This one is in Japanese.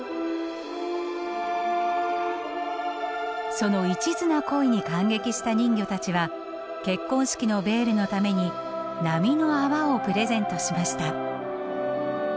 その一途な恋に感激した人魚たちは結婚式のベールのために波の泡をプレゼントしました。